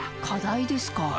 課題ですか。